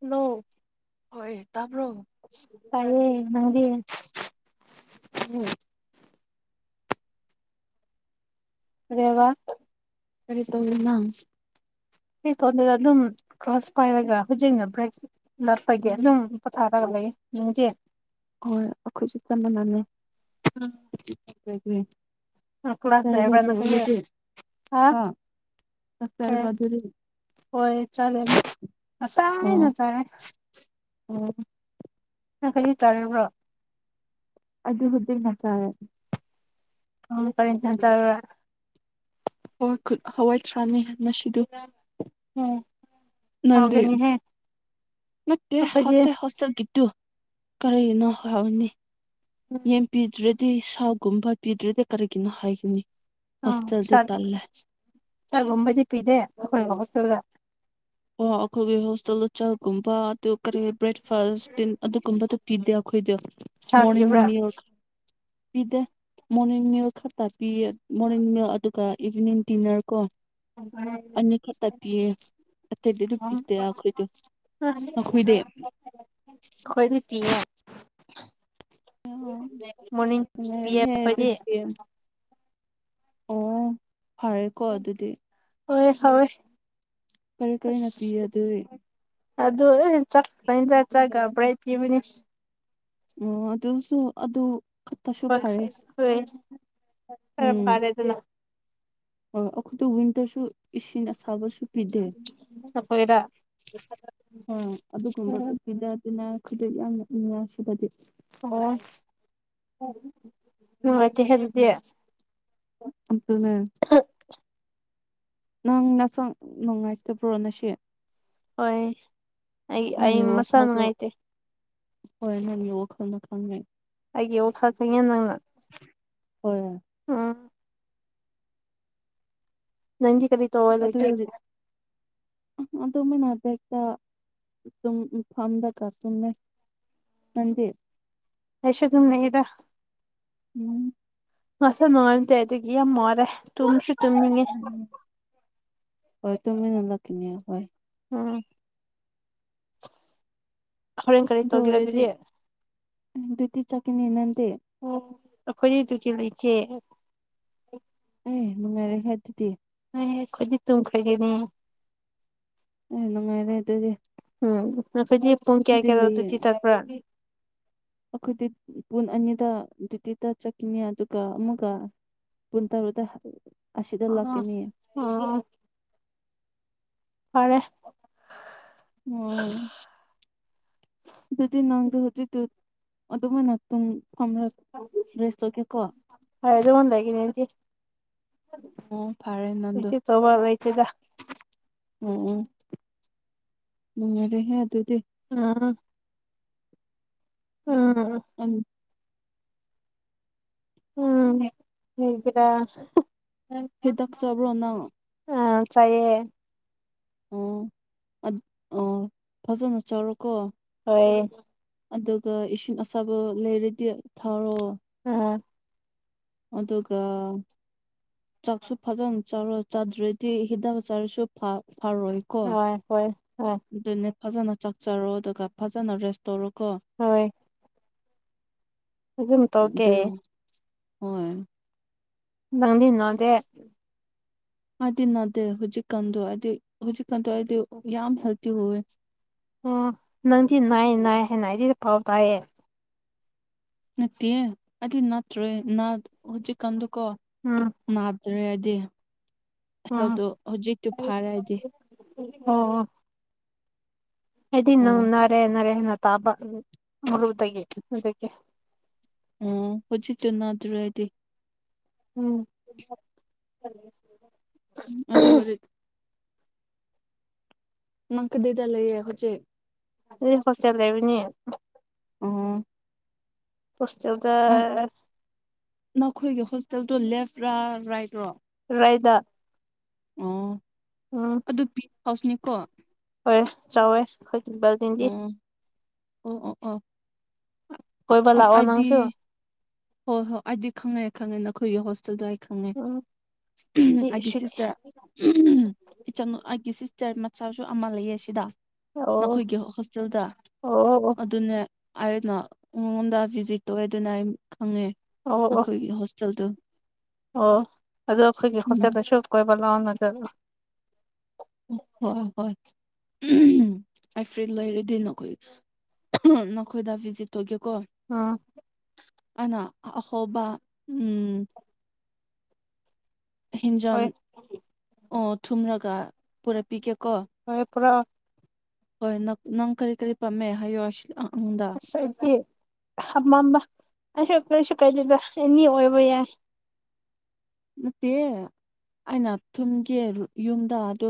ꯅꯣ ꯍꯣꯏ ꯇꯕ꯭ꯔꯣ ꯇꯥꯏꯌꯦ ꯅꯪꯗꯤ [unintelligible] ꯀꯩꯕ ꯀꯔꯤ ꯇꯧꯏꯅꯣ ꯀꯀꯗꯨꯗ ꯑꯗꯨꯝ ꯀ꯭ꯂꯥꯁ ꯄꯥꯏꯔꯒ ꯍꯧꯖꯤꯛꯅ ꯕ꯭ꯔꯦꯛ ꯂꯄꯒꯤ ꯑꯗꯨꯝ ꯄꯣꯊꯥꯔꯒ ꯂꯩꯌꯦ ꯅꯅꯨꯡꯗꯤ ꯍꯣꯏ ꯑꯩꯈꯣꯏꯁꯨ ꯆ ꯃꯅꯅꯤ ꯀ꯭ꯂꯥꯁ ꯂꯩꯕ꯭ꯔꯥ ꯀꯔꯤ ꯍꯥ ꯀꯔꯤ [unintelligible] ꯍꯣꯏ ꯆꯂ ꯑ ꯉꯥꯁꯥꯏꯅ ꯑꯣ ꯆꯥꯏ [unintelligible] ꯅꯪ ꯀꯔꯤ ꯇꯧꯔꯤꯕ꯭ꯔꯣ ꯑꯗꯨ ꯍꯗꯒ ꯃꯆꯥꯥꯔꯦ ꯎꯝ ꯀꯔꯤ ꯏꯟꯖꯥꯡ ꯆꯅꯔ ꯍꯋꯥ ꯍꯋꯥꯏ ꯊ꯭ꯔꯥꯅ ꯁꯤꯗ ꯎꯝ ꯅꯟꯗꯤ ꯍꯥꯎꯒꯅꯤꯍꯦ ꯅꯠꯇꯦ ꯑꯩꯈꯣꯏꯗꯤ ꯍꯠꯇꯦ ꯆꯀꯤꯠꯇꯨ ꯀꯔꯤꯅꯣ ꯍꯥꯏꯅꯤ ꯌꯦꯟ ꯄꯗ꯭ꯔꯗꯤ ꯁꯥꯒꯨꯝꯕ ꯄꯤꯗ꯭ꯔꯗꯤ ꯀꯔꯤꯒꯤꯅꯣ ꯍꯥꯏꯒꯅꯤ ꯑ ꯍꯣꯁꯇꯦꯜꯗꯤ ꯇꯜꯂꯦ ꯆꯒꯨꯝꯕꯗꯤ ꯄꯤꯗꯦ ꯑꯩꯈꯣꯏ ꯍꯣꯇꯨꯜꯗ ꯑꯣ ꯑꯩꯈꯣꯏꯒꯤ ꯍꯣꯁꯇꯦꯜꯗ ꯆꯥꯛꯒꯨꯝꯕ ꯑꯗꯨ ꯀꯔꯤ ꯕ꯭ꯔꯦꯛꯐꯥꯁ ꯑꯗꯨꯒꯨꯝꯕꯗꯨꯣ ꯄꯤꯗꯦ ꯑꯩꯈꯣꯏꯗꯣ ꯁꯥ ꯃꯣꯔꯅꯤꯡ ꯄꯤꯕ꯭ꯔꯥ ꯃꯦꯂꯥ ꯄꯤꯗꯦ ꯃꯣꯔꯅꯤꯡ ꯃꯤꯜ ꯈꯔ ꯇꯥꯄꯤ ꯃꯣꯔꯅꯤꯡ ꯃꯤꯜ ꯑꯗꯨꯒ ꯏꯚꯤꯅꯤꯡ ꯗꯤꯟꯅꯔ ꯀꯣ ꯑꯅꯤ ꯈꯇ ꯄꯤꯌꯦ ꯑꯇꯩꯗꯤ ꯑꯗꯨꯝ ꯄꯤꯗꯦ ꯑꯩꯈꯣꯏꯗꯤ [unintelligible] ꯅꯈꯣꯏꯗꯤ ꯈꯣꯏꯗꯤ ꯄꯤꯌꯦ ꯃꯣꯔꯅꯤꯡ ꯁꯨ ꯄꯤꯌꯦ ꯅꯨꯡꯉꯥꯏꯍꯦ ꯈꯣꯢꯗꯤ ꯑꯗꯨꯗꯤ ꯑꯣ ꯐꯔꯦꯀꯣ ꯑꯗꯨꯗꯤ ꯍꯣꯏ ꯍꯣꯏ ꯀꯔꯤ ꯑ ꯀꯔꯤꯅ ꯄꯤꯌꯦ ꯑꯗꯨꯗꯤ ꯑꯗꯨ ꯆꯥꯛ ꯆ ꯆꯈꯕ꯭ꯔꯩ ꯀꯤꯕꯅꯤ ꯑꯣ ꯑꯗꯨꯁꯨ ꯑꯗꯨ ꯈꯛꯇꯁꯨ ꯍꯣꯏ ꯐꯔꯦ ꯍꯣꯏ ꯈꯔ ꯐꯔꯦ ꯑꯗꯨꯅ ꯑꯣ ꯑꯩꯈꯣꯏꯗ ꯋꯤꯟꯇꯔꯁꯨ ꯏꯁꯤꯡ ꯑꯁꯥꯕꯁꯨ ꯄꯤꯗꯦ ꯅꯈꯣꯏꯔ ꯑ ꯑꯗꯨꯒꯨꯝꯕ ꯄꯤꯗꯗꯅ ꯑꯩꯗꯣ ꯌꯥꯝꯅ ꯅꯨꯡꯉꯥꯏꯁꯤꯕꯗꯤ ꯑꯣ ꯅꯨꯡꯉꯥꯏꯇꯦ ꯑꯗꯨꯗꯤ [unintelligible] ꯅꯪ ꯅꯁꯪ ꯅꯨꯡꯉꯥꯏꯇꯕ꯭ꯔꯣ ꯅ ꯁꯤ ꯍꯣꯏ ꯑꯩ ꯑꯩ ꯅꯪꯒꯤ ꯃꯁꯥ ꯋꯥꯈꯜꯗꯣ ꯅꯨꯡꯉꯥꯏꯇꯦ ꯍꯣꯏ ꯅꯪꯒꯤ ꯋꯥꯈꯜꯗꯣ ꯈꯥꯡꯉꯦ ꯑꯩꯒꯤꯦ ꯌ ꯈꯥ ꯊ ꯌꯦꯦ ꯅꯪꯅ ꯍꯣꯏꯣꯏ ꯎꯝ ꯅꯟꯗꯤ ꯀꯔꯤ ꯇꯧꯔ ꯂꯩꯒꯦ ꯑꯗꯨꯅꯦ ꯑꯗꯨꯃꯦꯅꯅꯥꯗꯦꯇ ꯑꯗꯨꯝ ꯐꯝꯗ ꯀ ꯇꯨꯝꯃꯦ ꯅꯥꯡꯗꯤ ꯑꯩꯁꯨ ꯑꯗꯨꯝꯂꯩꯌꯗ ꯎꯝ ꯃꯁ ꯅꯣꯡꯝ ꯇ ꯑꯗꯨꯒ ꯌꯥꯝ ꯃꯣꯔꯦ ꯇꯨꯡꯁꯨ ꯇꯨꯝꯅꯤꯡꯉꯦ ꯍꯣꯏ ꯇꯃꯤ ꯅꯂ ꯀꯅꯤ ꯍꯣꯏ ꯎꯝ ꯍꯣꯔꯦꯟ ꯀꯔꯤ ꯇꯧꯒꯦꯔ ꯑꯗꯪꯑꯣꯏꯔꯗꯤ ꯑꯗꯨꯗꯤ ꯑꯣ ꯗꯨꯇ ꯆꯥꯠꯀꯅꯤ ꯅꯥꯡꯗꯤ ꯑꯣ ꯑꯩꯈꯣꯏꯗꯤ ꯑꯗꯨꯗꯤ ꯂꯩꯇꯦ ꯑꯦ ꯅꯣꯡꯉꯥꯏꯔꯦ ꯍꯦ ꯑꯗꯨꯗꯤ ꯍꯣꯏ ꯑꯩꯈꯣꯏꯗꯤ ꯇꯨꯝꯈ꯭ꯔꯒꯦꯅꯦ ꯏꯅ ꯅꯨꯡꯉꯥꯏꯔꯦ ꯑꯗꯨꯗꯤ ꯎꯝ ꯅꯈꯣꯏꯗꯤ ꯄꯨꯡꯟ ꯀꯌꯥ ꯑꯩꯈꯣꯏꯗꯤ ꯀꯦꯗ ꯂꯩꯌꯦ ꯑꯗꯨꯇꯤ ꯆꯥꯠ ꯄꯨꯔ ꯑꯩꯈꯣꯏꯗꯤ ꯄꯨꯡ ꯑꯅꯤꯗ ꯗ꯭ꯎꯥꯇꯤꯗ ꯆꯠꯈꯤꯅꯤ ꯑꯗꯨꯒ ꯑꯃꯒ ꯀꯨꯟ ꯇꯔꯨꯗ ꯑꯁꯤꯗ ꯑꯣ ꯂꯥꯛꯀꯅꯤ ꯑꯣ ꯐꯔꯦ ꯑꯣꯝ ꯑꯗꯨꯗꯤ ꯅꯪꯗꯨ ꯍꯧꯖꯤꯛꯇ ꯑꯗꯨꯃꯥꯏꯅ ꯐꯝꯔ ꯔꯦꯁ ꯇꯧꯒꯦꯀꯣ ꯍꯣꯏ ꯑꯗꯨꯝꯃꯥꯏ ꯂꯩꯒꯅꯤ ꯑꯩꯗꯤ ꯑꯣ ꯐꯔꯦ ꯌꯨꯇꯨꯕ ꯅꯪꯗꯣ ꯇꯎꯕꯥ ꯂꯦꯏꯇꯦꯗꯥ ꯑꯣ ꯅꯨꯡꯉꯔꯦꯍꯦ ꯑꯗꯨꯗꯤ ꯎꯝ ꯎꯝ ꯎꯝ ꯎꯝ ꯍꯒꯔꯥ ꯍꯗꯥꯛ ꯆꯕꯔꯣ ꯅꯪ ꯑ ꯆꯌꯦ ꯑꯣ ꯑ ꯐꯖꯅ ꯆꯠꯔꯣꯀꯣ ꯍꯣꯏ ꯑꯗꯨꯒ ꯏꯁꯤꯡ ꯑꯁꯥꯕ ꯂꯩꯔꯗꯤ ꯊꯥꯎꯔꯣ ꯎꯝ ꯑꯗꯨꯒ ꯆꯥꯛꯁꯨ ꯐꯖꯅ ꯆꯔ ꯆꯥꯗ꯭ꯔꯗꯤ ꯍꯤꯗꯥꯛ ꯆꯥꯔꯁꯨ ꯐꯔꯣꯏ ꯍ ꯍꯣꯏ ꯑ ꯑꯗꯨꯅꯦ ꯐꯖꯅ ꯆꯥꯛꯆꯔꯣ ꯑꯗꯨꯒ ꯐꯖꯅ ꯔꯦꯁ ꯇꯧꯔꯣ ꯍꯣꯏ ꯑꯗꯨꯝ ꯇꯧꯒꯦ ꯑꯗꯨ ꯍꯣꯏ ꯅꯪꯗꯤꯅꯗꯦ ꯍꯥꯏꯗꯤ ꯅꯅꯥꯗꯦ ꯍꯧꯖꯤꯛꯀꯥꯟꯗꯣ ꯍꯥꯏꯗꯤ ꯍꯧꯖꯤꯛꯀꯥꯟꯗꯣ ꯍꯥꯏꯗꯤ ꯌꯥꯝ ꯍꯦꯜꯗꯤ ꯍꯋꯦ ꯑꯣ ꯅꯪꯗꯤ ꯅꯥꯏꯌꯦ ꯅꯥꯏ ꯍꯥꯏꯅ ꯑꯩꯗꯤ ꯄꯥꯎ ꯇꯥꯏꯌꯦ ꯅꯠꯇꯦ ꯑꯗꯨ ꯅꯠꯇ꯭ꯔꯣꯏꯅꯥ ꯍꯧꯖꯤꯛꯀꯥꯟꯗꯨꯀꯣ ꯎꯝ ꯅꯥꯗ꯭ꯔꯦ ꯍꯥꯏꯗꯤ ꯎꯝ ꯍꯦꯜꯠꯇꯨ ꯍꯧꯖꯤꯛꯇꯨ ꯐꯔꯦ ꯍꯥꯏꯗꯤ ꯑꯣ ꯑꯣ ꯑꯩꯗꯤ ꯅꯪ ꯍꯣꯏ ꯅꯥꯔꯦ ꯍꯥꯏꯅ ꯇꯥꯕ ꯃꯔꯨꯗꯒꯤ ꯑꯗꯨꯒꯤ ꯎꯝ ꯍꯧꯖꯤꯛꯇꯤ ꯅꯥꯗꯔ꯭ꯦ ꯑꯩꯗꯤ ꯎꯝ ꯑꯗꯨꯗꯤ ꯎ ꯑꯗꯨꯗ ꯑꯣꯏ ꯅꯪ ꯀꯗꯥꯏꯗ ꯂꯩꯌꯦ ꯍꯧꯖꯤꯛ ꯑꯩ ꯍꯣꯁꯇꯦꯜ ꯂꯩꯕꯅꯤ ꯑꯣ ꯍꯣꯁꯇꯦꯜꯗ ꯅꯪ ꯅꯈꯣꯏꯒꯤ ꯍꯣꯁꯇꯦꯜꯗꯣ ꯂꯦꯐꯔꯥ ꯔꯥꯏꯠꯔꯣ ꯔꯥꯏꯠꯗ ꯑꫭ ꯑꯣ ꯑꯗꯨ ꯕꯤ ꯐꯥꯁꯅꯤꯀꯣ ꯍꯣꯏ ꯆꯥꯎꯋꯦ ꯑꯩꯈꯣꯏ ꯕ ꯑꯣ ꯑꯣ ꯑꯣ ꯀꯣꯏꯕ ꯑꯣ ꯂꯥꯛꯑꯣ ꯑꯩꯗꯤ ꯅꯪꯁꯨ ꯍꯣꯏ ꯍꯣꯏ ꯑꯩꯗꯤ ꯈꯪꯉꯦ ꯈꯪꯉꯦ ꯅꯈꯣꯏꯒꯤ ꯍꯣꯁ ꯇꯨꯗꯣ ꯑꯩ ꯈꯪꯉꯦ ꯎꯝ ꯁꯨꯇꯤ ꯑꯩꯒꯤ ꯁꯨꯇꯤ ꯁꯤꯁꯇꯔ ꯏꯆꯟ ꯑꯩꯒꯤ ꯁꯤꯁꯇꯔ ꯃꯆꯥꯁꯨ ꯑꯃ ꯂꯩꯌꯦ ꯁꯤꯗ ꯑꯣ ꯑꯩꯈꯣꯏꯒꯤ ꯍꯣꯁꯇꯦꯜꯗ ꯑꯣ ꯑꯗꯨꯅꯦ ꯑꯩꯅ ꯃꯉꯣꯟꯗ ꯚꯤꯖꯤꯠ ꯇꯧꯋꯦ ꯑꯗꯨꯅ ꯑꯩ ꯈꯪꯉꯦ ꯑꯣ ꯑꯣ ꯑꯣ ꯑꯩꯈꯣꯏꯒꯤ ꯍꯣꯁꯇꯦꯜꯗ ꯑꯣ ꯑꯗꯣ ꯑꯩꯈꯣꯏꯒꯤ ꯎꯝ ꯍꯣꯁꯇꯦꯜꯗꯁꯨ ꯀꯣꯏꯕ ꯂꯥꯛꯑꯣꯗꯅ ꯍꯣꯏ ꯍꯣꯏ ꯎꯝ ꯑꯩ ꯐ꯭ꯔꯤ ꯂꯩꯔꯗꯤ ꯅꯈꯣꯏ ꯅꯈꯣꯏꯗ ꯚꯤꯖꯤꯠ ꯇꯧꯒꯦꯀꯣ ꯑꯥ ꯑꯩꯅ ꯑꯍꯧꯕ ꯎꯝ ꯍꯣꯏ ꯏꯟꯖꯥꯡ ꯑꯣ ꯊꯣꯡꯉꯒ ꯄꯨꯔꯛꯄꯤꯒꯦ ꯀꯣ ꯍꯣꯏ ꯄꯨꯔꯛꯑꯣ ꯍꯣꯏ ꯅꯪ ꯀꯔꯤ ꯀꯔꯤ ꯄꯥꯝꯃꯦ ꯍꯥꯏꯌꯣ ꯁꯤꯗ ꯑꯩꯉꫭꯟꯗ ꯑꯩꯗꯤ ꯍꯝꯃꯝꯕ ꯑꯁꯨ ꯀꯩꯁꯨ ꯀꯥꯏꯗꯦꯗ ꯑꯦꯅꯤ ꯑꯣꯏꯕ ꯌꯥꯏ ꯅꯠꯇꯤꯌꯦ ꯑꯩꯅ ꯊꯣꯡꯒꯦ ꯌꯨꯝꯗ ꯑꯗꯨ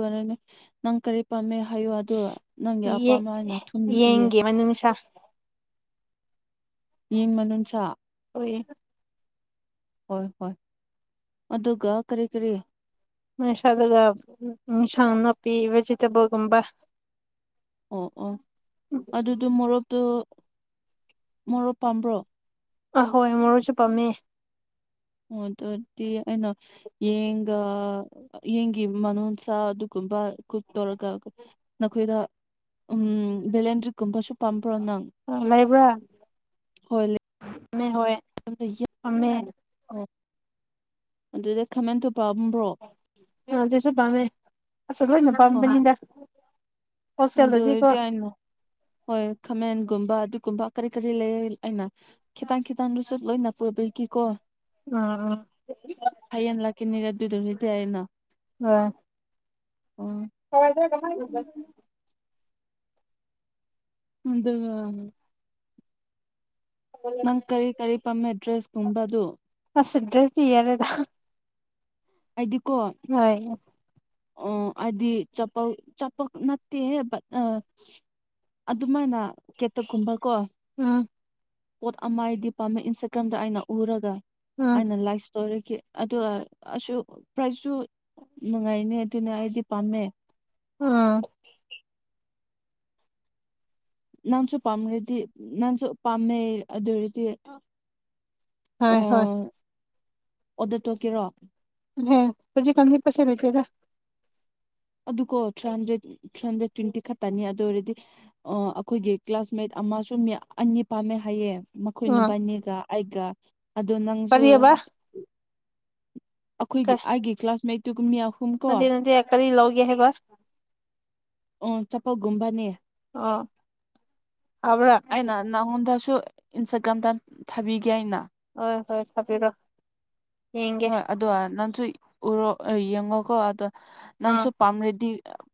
ꯅꯪ ꯀꯔꯤ ꯄꯥꯝꯃꯦ ꯍꯥꯏꯌꯣ ꯑꯗꯣ ꯅꯪꯒꯤ ꯑꯄꯥꯝꯕ ꯍꯥꯏꯅ ꯊꯣꯡꯀꯦ ꯃꯅꯨꯡ ꯁꯥ ꯌꯦꯟ ꯃꯅꯨꯡ ꯁꯥ ꯑꯣꯏ ꯍꯣꯏ ꯍꯣꯏ ꯑꯗꯨꯒ ꯀꯔꯤ ꯀꯔꯤ ꯃꯅꯨꯡ ꯁꯥꯗꯨꯒ ꯏꯟꯁꯥꯡ ꯅꯥꯄꯤ ꯚꯦꯖꯤ ꯇꯦꯕꯜꯒꯨꯝꯕ ꯑꯣ ꯑꯣ ꯑꯗꯨꯗꯣ ꯃꯣꯔꯣꯛꯇꯣ ꯃꯣꯔꯣꯛ ꯄꯥꯝꯕ꯭ꯔꯣ ꯑ ꯍꯣꯏ ꯃꯣꯔꯣꯛꯁꯨ ꯄꯥꯝꯃꯦ ꯑꯣ ꯑꯗꯨꯗꯤ ꯑꯩꯅ ꯌꯦꯟꯒ ꯌꯦꯟꯒꯤ ꯃꯅꯨꯡꯁꯥ ꯑꯗꯨꯒꯨꯝꯕ ꯀꯨꯛ ꯇꯧꯔꯒ ꯅꯈꯣꯏꯗ ꯎꯝ ꯕꯦꯂꯦꯟꯗ꯭ꯔꯤꯀꯨꯝꯕꯁꯨ ꯄꯥꯝꯕ꯭ꯔꯣ ꯅꯪ ꯑ ꯂꯩꯕ꯭ꯔꯥ ꯄꯥꯝꯃꯦ ꯍꯣꯏ ꯄꯥꯝꯃꯦ ꯑꯣ ꯑꯗꯨꯗ ꯈꯥꯃꯦꯟꯗꯣ ꯄꯥꯝꯕ꯭ꯔꯣ ꯑ ꯑꯗꯁꯨ ꯄꯥꯝꯃꯦ ꯂꯣꯏꯅ ꯄꯥꯝꯕꯅꯤꯗ ꯍꯣꯜꯁꯦꯜꯗꯗꯤꯀꯣ ꯑꯗꯨꯑꫭꯏꯗꯤ ꯑꯩꯅ ꯍꯣꯏ ꯈꯥꯃꯦꯟꯒꯨꯝꯕ ꯑꯗꯨꯒꯨꯝꯕ ꯀꯔꯤ ꯀꯔꯤ ꯂꯩ ꯑꯩꯅ ꯈꯤꯇꯪ ꯈꯤꯇꯪꯗꯨꯁꯨ ꯂꯣꯏꯅ ꯄꯨꯕꯤꯒꯤꯀꯣ ꯑ ꯍꯌꯦꯡ ꯂꯥꯛ ꯀꯅꯤꯗ ꯑꯗꯨꯗꯨꯒꯤꯗꯤ ꯑꯩꯅ ꯑꯣ ꯑꯣ ꯍꯋꯥꯏꯖꯔ ꯀꯃꯥꯏ ꯑꯗꯨꯒ ꯅꯪ ꯀꯔꯤ ꯀꯔꯤ ꯄꯥꯝꯃꯦ ꯗ꯭ꯔꯦꯁꯀꯨꯝꯕꯗ ꯑꯁ ꯑꯗꯨꯗꯤ ꯌꯥꯔꯦꯗ ꯑꯩꯗꯤꯀꯣ ꯍꯣꯏ ꯑꯣ ꯍꯥꯏꯗꯤ ꯆꯥꯝ ꯆꯥꯝꯄꯥꯜ ꯅꯠꯇꯦ ꯑ ꯑꯗꯨꯃꯥꯏꯅ ꯀꯦꯠꯇ ꯀꯨꯝꯕ ꯀꯣ ꯑꯥ ꯄꯣꯠ ꯑꯃ ꯍꯥꯏꯗꯤ ꯄꯥꯝꯃꯦ ꯏꯟꯁꯇꯥꯒ꯭ꯔꯥꯝꯗ ꯑꯩꯅ ꯎꯔꯒ ꯑꯥ ꯑꯩꯅ ꯂꯥꯏꯁ ꯇꯧꯔꯒꯦ ꯑꯗꯣ ꯑ ꯄ꯭ꯔꯥꯏꯖꯁꯨ ꯅꯨꯡꯉꯥꯏꯅꯦ ꯑꯗꯨꯅ ꯑꯩꯗꯤ ꯄꯥꯝꯃꯦ ꯑꯥ ꯅꯪꯁꯨ ꯄꯥꯝꯈ꯭ꯔꯗꯤ ꯅꯪꯁꯨ ꯄꯥꯝꯃꯦ ꯑꯗꯨ ꯑꯣꯏꯔꯗꯤ ꯍꯣꯏ ꯍꯣꯏ ꯑ ꯑꯣꯗꯔ ꯇꯧꯀꯦꯔꯣ ꯍꯧꯖꯤꯛꯒꯥꯟꯗꯤ ꯄꯩꯁꯥ ꯂꯩꯇꯦꯗ ꯑꯗꯨꯀꯣ three hundred three hundred twenty ꯈꯛꯇꯅꯤ ꯑꯗꯨ ꯑꯣꯏꯔꯗꯤ ꯑ ꯑꯩꯈꯣꯏꯒꯤ ꯀ꯭ꯂꯥꯁꯃꯦꯠ ꯑꯃꯁꯨ ꯃꯤ ꯑꯅꯤ ꯄꯥꯝꯃꯦ ꯍꯥꯏꯌꯦ ꯃꯈꯣꯏ ꯎꯝ ꯅꯨꯕꯥꯅꯤꯒ ꯑꯩꯒ ꯑꯗꯨ ꯅꯪꯁꯨ ꯀꯔꯤꯑꯕ ꯑꯩꯈꯣꯏꯒꯤ ꯑꯩꯥꯒꯤ ꯀ꯭ꯂꯥꯁꯃꯦꯠꯇꯨ ꯀꯨꯝꯌꯥ ꯅꯠꯇꯦ ꯅꯠꯇꯦ ꯀꯔꯤ ꯂꯥꯎꯒꯦ ꯍꯥꯢꯕ ꯑꯣ ꯆꯥꯝꯄꯥꯜꯒꯨꯝꯕꯅꯦ ꯑꯣ ꯐꯥꯕ꯭ꯔꯥ ꯑꯩꯅ ꯅꯪꯉꯣꯟꯗꯁꯨ ꯏꯟꯁꯇꯥꯒ꯭ꯔꯥꯝꯗ ꯊꯥꯕꯤꯒꯦ ꯍꯥꯢꯅ ꯍꯣꯏ ꯍꯣꯏ ꯊꯥꯕꯤꯔꯣ ꯌꯦꯡꯒꯦ ꯍꯣꯏ ꯑꯗꯣ ꯅꯪꯁꯨ ꯎꯔꯣ ꯌꯦꯡꯉꯣꯀꯣ ꯑꯗꯣ ꯑꯥ ꯅꯪꯁꯨ ꯄꯥꯝꯔꯦꯗꯤ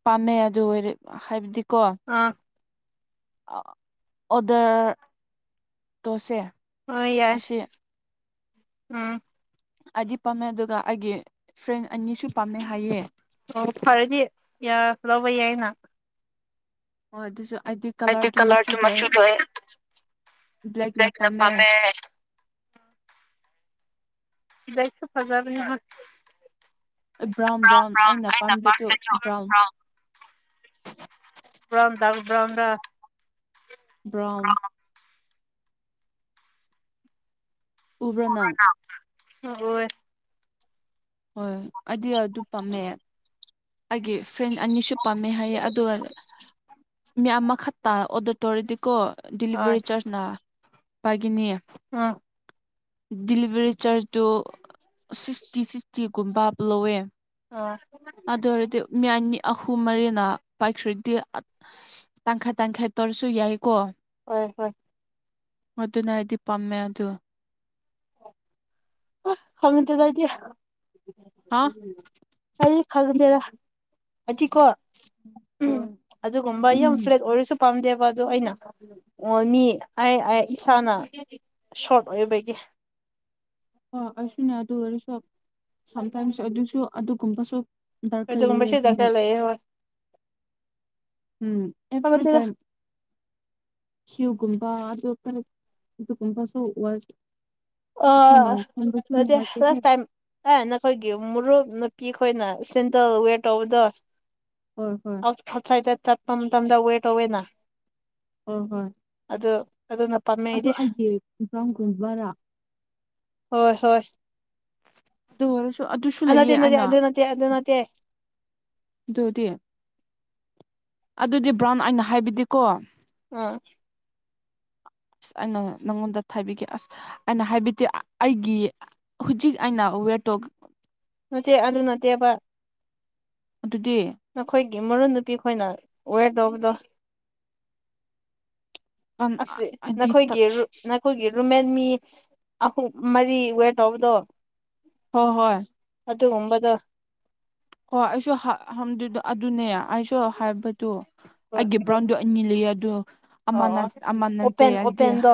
ꯄꯥꯝꯃꯦ ꯑꯗꯨ ꯑꯣꯏꯔꯦ ꯍꯥꯏꯕꯗꯤꯀꯣ ꯑꯥ ꯑꯣꯗꯔ ꯇꯧꯁꯦ ꯍꯣꯏ ꯌꯥꯏ ꯎꯝ ꯑꯩꯗꯤ ꯄꯥꯝꯃꯦ ꯑꯗꯨꯒ ꯑꯩꯒꯤ ꯐ꯭ꯔꯦꯟ ꯑꯅꯤꯁꯨ ꯄꯥꯝꯃꯦ ꯍꯥꯏꯌꯦ ꯑꯣ ꯐꯔꯗꯤ ꯂꯧꯕ ꯌꯥꯏꯅ ꯍ ꯑꯗꯨꯁꯨ ꯑꯩꯗꯤ ꯀꯂꯔꯗꯨ ꯃꯆꯨꯗꯣ ꯕ꯭ꯂꯦꯛꯅ ꯄꯥꯝꯃꯦ ꯕꯂꯦꯛꯇꯣ ꯐꯖꯕꯅꯦ ꯍꯣꯢ ꯕ꯭ꯔꯥꯎꯟ ꯕ꯭ꯔꯥꯎꯟ ꯑꯩꯅ ꯄꯥꯝꯕꯗꯨ ꯕ꯭ꯔꯥꯎꯟ ꯄꯔꯗꯗꯔ [inaudible] ꯕ꯭ꯔꯥꯟ ꯎꯕ꯭ꯔꯥ ꯅꯪ ꯍꯣꯏ ꯍꯣꯏ ꯑꯗꯨ ꯄꯥꯝꯃꯦ ꯑꯩꯒꯤ ꯐ꯭ꯔꯦꯟ ꯑꯅꯤꯁꯨ ꯄꯥꯝꯃꯦ ꯍꯥꯏꯌꯦ ꯑꯗꯣ ꯃꯤ ꯑꯃꯈꯛꯇ ꯑꯣꯗꯔ ꯇꯧꯔꯗꯤ ꯀꯣ ꯍꯣꯏ ꯗꯤꯂꯤꯚꯔꯤ ꯆꯥꯔꯖꯅ ꯄꯥꯏꯒꯅꯤ ꯑꯥ ꯗꯤꯂꯤꯚꯔꯤ ꯆꯥꯔꯖꯇꯣ ꯁꯤꯛꯁꯇꯤ ꯁꯤꯛꯁꯇꯤꯒꯨꯝꯕ ꯂꯧꯋꯦ ꯑꯥ ꯑꯗꯨ ꯑꯣꯏꯔꯗꯤ ꯃꯤ ꯑꯅꯤ ꯑꯍꯨꯝ ꯃꯔꯤꯅ ꯄꯥꯏꯈ꯭꯭ꯔꯗꯤ ꯇꯪꯈꯥꯏ ꯇꯪꯈꯥꯏ ꯇꯧꯔꯁꯨ ꯌꯥꯏ ꯀꯣ꯫ ꯍꯣꯏ ꯍꯣꯏ ꯑꯗꯨꯅ ꯑꯩꯗꯤ ꯄꯝꯃꯦ ꯑꯗꯨ ꯈꯪꯇꯦꯇ ꯑꯩꯗꯤ ꯍꯥ ꯑꯩ ꯈꯪꯗꯦꯗ ꯑꯩꯇꯤꯒꯣ ꯍꯣꯏ ꯑꯗꯨꯒꯨꯝꯕ ꯌꯥꯝ ꯎꯝ ꯐ꯭ꯂꯦꯠ ꯑꯣꯏꯔꯁꯨ ꯄꯥꯝꯗꯦꯕ ꯑꯗꯨ ꯑꯩꯅ꯫ ꯑꯣ ꯃꯤ ꯑꯩ ꯑꯩ ꯏꯁꯥꯅ ꯁ꯭ꯣꯔꯠ ꯑꯣꯏꯕꯒꯤ꯫ ꯍꯣꯏ ꯑꯩꯁꯨꯅꯦ ꯑꯗꯨ ꯑꯣꯏꯔꯁꯨ ꯁꯝꯇꯥꯏꯝꯁꯨ ꯑꯗꯨꯁꯨ ꯑꯗꯨꯒꯨꯝꯕꯁꯨ ꯗꯔꯀꯜꯂꯤꯌꯦ ꯑꯗꯨꯅꯦ ꯑꯦ ꯍꯣꯏ ꯎꯝ ꯑꯦꯕ꯭ꯔꯤ ꯈꯪꯗꯦꯗ ꯇꯥꯏꯝ ꯁꯤꯒꯨꯝꯕ ꯑꯗꯨ ꯀꯩ ꯑꯗꯨꯒꯨꯝꯕꯁꯨ ꯑꯣꯏ ꯑ ꯅꯠꯇꯦ ꯅꯨꯡꯉꯥꯏꯇꯦꯍꯦ ꯔꯁ ꯇꯥꯏꯝ ꯑꯦ ꯅꯈꯣꯏꯒꯤ ꯃꯨꯔꯨꯞ ꯅꯨꯄꯤ ꯑꯩꯈꯣꯏꯅ ꯁꯦꯟꯗꯜ ꯋꯦꯔ ꯇꯧꯕꯗꯣ ꯍꯣꯏ ꯍꯣꯏ ꯐꯣꯠꯁꯥꯏꯠꯇ ꯆꯠꯄ ꯃꯇꯝꯗ ꯋꯦꯔ ꯇꯧꯋꯦꯅ ꯍꯣꯏ ꯍꯣꯏ ꯑꯗꯨ ꯑꯗꯨꯅ ꯄꯥꯝ ꯑꯗꯨ ꯑꯩꯒꯤ [unintelligible] ꯕꯔꯥ ꯍꯣꯏ ꯍꯣꯏ ꯑꯗꯨ ꯑꯣꯏꯔꯁꯨ ꯑꯗꯨꯁꯨ ꯑ ꯅꯠꯇꯦ ꯂꯩꯌꯦ ꯅꯠꯇꯦ ꯑꯩꯅ ꯑꯗꯨ ꯅꯠꯇꯦ ꯑꯗꯨ ꯅꯠꯇꯦ ꯑꯗꯨꯗꯤ ꯑꯗꯨꯗꯤ ꯕ꯭ꯔꯥꯎꯟ ꯑꯩꯅ ꯍꯥꯏꯕꯗꯤꯀꯣ ꯑ ꯑꯁ ꯑꯩꯅ ꯅꯪꯉꯣꯟꯗ ꯊꯥꯕꯤꯒꯦ ꯑꯁ ꯑꯩꯅ ꯍꯥꯏꯕꯗꯤ ꯑꯩꯒꯤ ꯍꯧꯖꯤꯛ ꯑꯩꯅ ꯋꯦꯔꯇꯣꯛ ꯅꯠꯇꯦ ꯑꯗꯨ ꯅꯠꯇꯦꯕ ꯑꯗꯨꯗꯤ ꯅꯈꯣꯏꯒꯤ ꯃꯔꯨ ꯅꯨꯄꯤ ꯈꯣꯏꯅ ꯋꯦꯔꯇꯧꯕꯗꯣ ꯑꯁ ꯍꯥꯏꯗꯤ ꯅꯈꯣꯏꯒꯤ ꯔꯨ ꯅꯈꯣꯏꯒꯤ ꯔꯨꯝꯃꯦꯠ ꯃꯤ ꯑꯍꯨꯝ ꯃꯔꯤ ꯋꯦꯔ ꯇꯧꯕꯗꯣ ꯍꯣꯏ ꯍꯣꯏ ꯑꯗꯨꯒꯨꯝꯕꯗꯣ ꯍꯣꯏ ꯑꯩꯁꯨ [unintelligible] ꯑꯗꯨꯅꯦ ꯑꯩꯁꯨ ꯍꯥꯏꯕꯗꯣ ꯑꯩꯒꯤ ꯕ꯭ꯔꯥꯎꯟꯗꯣ ꯑꯅꯤ ꯂꯩꯌꯦ ꯑꯗꯣ ꯑꯃ ꯅꯠ ꯑꯣ ꯑꯃ ꯅꯠꯇꯦ ꯑꯣꯄꯦꯟ ꯍꯥꯏꯗꯤ ꯑꯣꯄꯦꯟꯗꯣ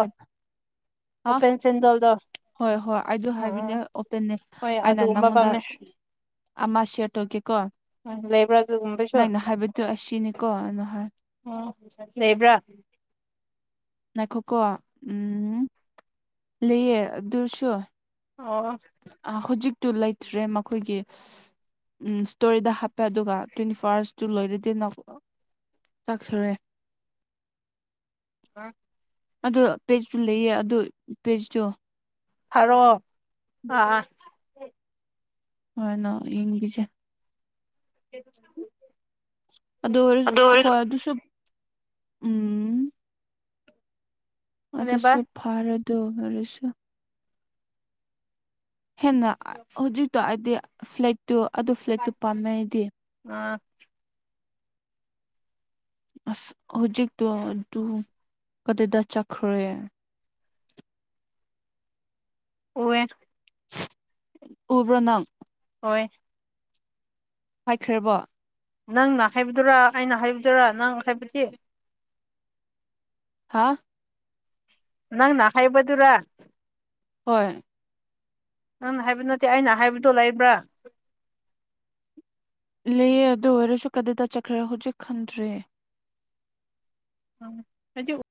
ꯑꯣꯄꯦꯟ ꯆꯤꯟꯗꯣꯜꯗꯣ ꯍꯣꯏ ꯍꯣꯏ ꯑꯩꯗꯣ ꯍꯥꯏꯕꯅꯦ ꯑꯣꯄꯦꯟꯅꯦ ꯑꯩꯅ ꯑꯗꯨꯒꯨꯝꯕ ꯅꯪꯉꯣꯟꯗ ꯄꯥꯝꯃꯦ ꯑꯃ ꯁꯤꯌꯥꯔ ꯇꯧꯀꯦꯀꯣ ꯂꯩꯕ꯭ꯔꯥ ꯑꯗꯨꯒꯨꯝꯕꯁꯨ ꯅꯣꯏꯅ ꯍꯥꯏꯕꯗꯣ ꯑꯁꯤꯅꯤꯀꯣ ꯅꯍꯣꯏ ꯑꯣ ꯂꯩꯕ꯭ꯔꯥ ꯉꯥꯏꯈꯣꯀꯣ ꯎꯝ ꯂꯩꯌꯦ ꯑꯗꯨꯁꯨ ꯑꯣ ꯑ ꯍꯧꯖꯤꯛꯇꯨ ꯂꯩꯇ꯭ꯔꯦ ꯃꯈꯣꯏꯒꯤ ꯎꯝ ꯏꯁ꯭ꯇꯣꯔꯤꯗ ꯍꯥꯞꯄꯦ ꯑꯗꯨꯒ ꯇ꯭ꯋꯦꯟꯇꯤ ꯐꯥꯔꯁꯇꯨ ꯂꯣꯏꯔꯗꯤ ꯅ ꯆꯥꯛ ꯁꯨꯔꯦ ꯑ ꯑꯗꯣ ꯄꯦꯖꯇꯨ ꯂꯩꯌꯦ ꯑꯗꯨ ꯄꯦꯖꯇꯨ ꯐꯔꯣ ꯑꯥ ꯍꯣꯏꯅ ꯏꯕꯤꯖ [unintelligible] ꯑꯗꯨ ꯑꯣꯏꯔꯁꯨ ꯍꯣꯏ ꯑꯗꯨꯁꯨ ꯎꯝ ꯀꯔꯤꯕ ꯑꯗꯨꯁꯨ ꯐꯔꯗꯨ ꯑꯣꯏꯔꯁꯨ ꯍꯦꯟꯅ ꯍꯧꯖꯤꯛꯇꯣ ꯍꯥꯏꯗꯤ ꯐ꯭ꯂꯦꯠꯇꯨ ꯑꯗꯨ ꯐ꯭ꯂꯦꯠꯇꯨ ꯄꯥꯝꯅꯩꯗꯤ ꯑꯥ ꯑꯁ ꯍꯧꯖꯤꯛꯇꯣ ꯑꯗꯨ ꯀꯗꯥꯏꯗ ꯆꯠꯈ꯭ꯔꯦ ꯑꯣꯋ ꯎꯕ꯭ꯔꯅꯪ ꯍꯣꯏ ꯍꯥꯏꯈ꯭ꯔꯕꯣ ꯅꯪꯅ ꯍꯥꯏꯕꯗꯨꯔꯥ ꯑꯩꯅ ꯍꯥꯏꯕꯗꯨꯔꯥ ꯅꯪ ꯍꯥꯏꯕꯗꯤ ꯍꯥꯥ ꯅꯪ ꯅꯅꯥ ꯈꯥꯏꯕꯗꯨꯔꯥ ꯍꯣꯏ ꯅꯪ ꯍꯥꯏꯕ ꯅꯠꯇꯦ ꯑꯩꯅ ꯍꯥꯏꯕꯗꯣ ꯂꯩꯕ꯭ꯔꯥ ꯂꯩꯑ ꯑꯗꯨ ꯑꯣꯏꯔꯁꯨ ꯀꯗꯥꯗ ꯆꯠꯈ꯭ꯔꯦ ꯍꯧꯖꯤꯛ ꯈꯟꯗ꯭ꯔꯦ ꯑ ꯍꯥꯏꯗꯤ